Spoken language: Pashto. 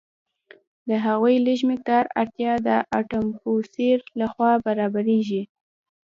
د هغوی لږ مقدار اړتیا د اټموسفیر لخوا برابریږي.